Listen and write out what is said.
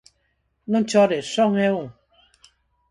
_Non chores, son eu...